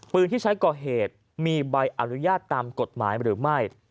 ปืนที่ใช้ก่อเหตุมีใบอนุญาตตามกฎหมายหรือไม่